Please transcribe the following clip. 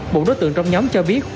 bộ đối tượng trong nhóm cho biết